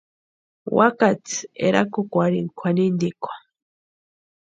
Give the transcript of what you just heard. Úakatsʼï erakukwarhini kwʼanintikwa.